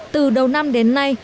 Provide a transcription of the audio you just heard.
từ đầu năm đến nay